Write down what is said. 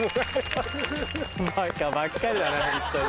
バカばっかりだなホントに。